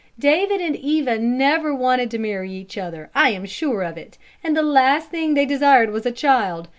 David and Eva never wanted to marry each other, I'm sure of it, and the last thing they desired was a child.